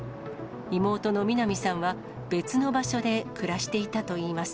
妹のみな美さんは、別の場所で暮らしていたといいます。